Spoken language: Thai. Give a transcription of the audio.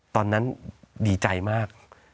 ตอนนั้นดีใจมาก